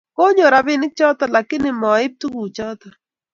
konyor rabinik choto lakini ma ib tuguk choto